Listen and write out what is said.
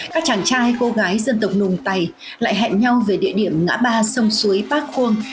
các chàng trai cô gái dân tộc nùng tày lại hẹn nhau về địa điểm ngã ba sông suối bác khuôn